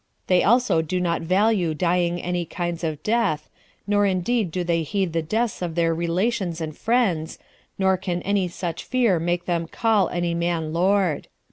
They also do not value dying any kinds of death, nor indeed do they heed the deaths of their relations and friends, nor can any such fear make them call any man lord.